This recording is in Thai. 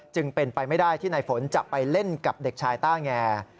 จึงเป็นไปไม่ได้ที่ในฝนจะไปเล่นกับเด็กชายต้าแง